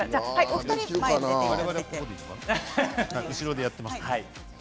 我々、後ろでやってます。